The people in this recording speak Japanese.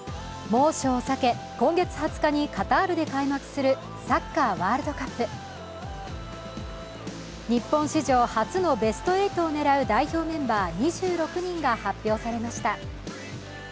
猛暑を避け、今月２０日にカタールで開幕するサッカーワールドカップ。日本史上初のベスト８を狙う代表メンバー２６人が発表されました。